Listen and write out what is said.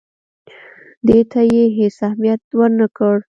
دې ته یې هېڅ اهمیت ورنه کړ.